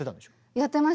やってました。